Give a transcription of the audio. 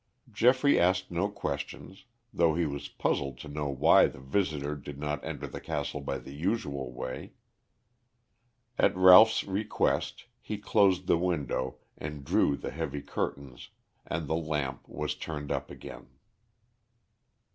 Geoffrey asked no questions, though he was puzzled to know why the visitor did not enter the castle by the usual way. At Ralph's request he closed the window and drew the heavy curtains and the lamp was turned up again.